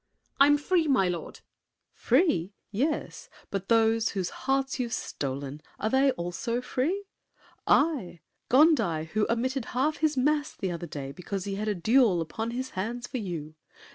I'm free, my lord! SAVERNY. Free! Yes. But those Whose hearts you've stolen, are they also free? I? Gondi, who omitted half his Mass The other day, because he had a duel Upon his hands for you?